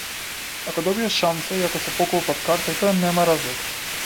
Ако добиеш шанса и ако се поклопат картите, нема разлика.